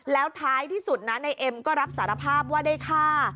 แล้วท้ายที่สุดนะในเอ็มก็รับสารภาพว่าได้ฆ่า